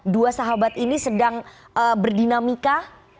dua sahabat ini sedang berdinamika